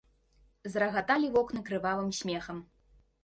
Зарагаталі вокны крывавым смехам.